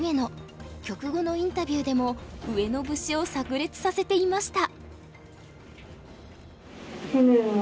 局後のインタビューでも上野節をさく裂させていました。